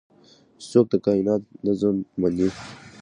چې څوک د کائنات نظم مني